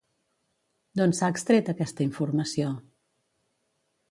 D'on s'ha extret aquesta informació?